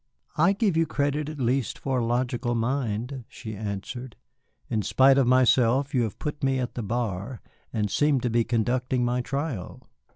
"I give you credit at least for a logical mind," she answered. "In spite of myself you have put me at the bar and seem to be conducting my trial."